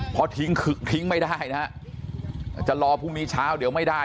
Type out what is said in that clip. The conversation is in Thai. พอทิ้งทิ้งไม่ได้นะฮะจะรอพรุ่งนี้เช้าเดี๋ยวไม่ได้